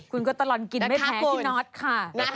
คุณก็ตลอดกินไม่แพ้พี่น็อตค่ะ